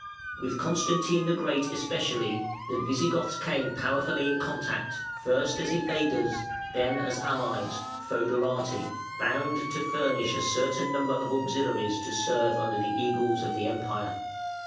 With Constantine the Great especially the Visigoths came powerfully in contact, first as invaders and then as allies (fœderati) bound to furnish a certain number of auxiliaries to serve under the eagles of the Empire.